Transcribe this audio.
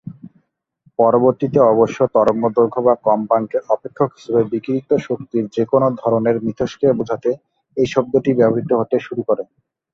পরবর্তীতে অবশ্য তরঙ্গ দৈর্ঘ্য বা কম্পাঙ্কের অপেক্ষক হিসেবে বিকিরিত শক্তির যেকোন ধরনের মিথস্ক্রিয়া বোঝাতে এই শব্দটি ব্যবহৃত হতে শুরু করে।